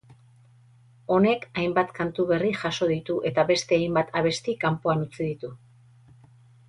Honek hainbat kantu berri jaso ditu eta beste hainbat abesti kanpoan utzi ditu.